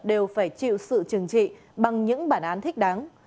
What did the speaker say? đều phải chịu sự trừng trị bằng những bản án thích đáng